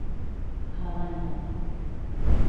A la banda.